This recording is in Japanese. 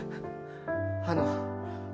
あの。